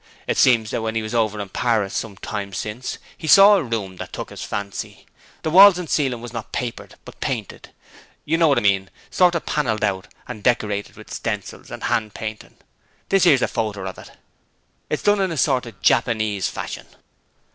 It seems that when he was over in Paris some time since he saw a room that took his fancy. The walls and ceiling was not papered, but painted: you know what I mean; sort of panelled out, and decorated with stencils and hand painting. This 'ere's a photer of it: it's done in a sort of JAPANESE fashion.'